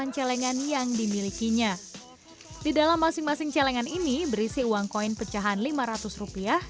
delapan celengan yang dimilikinya di dalam masing masing celengan ini berisi uang koin pecahan lima ratus rupiah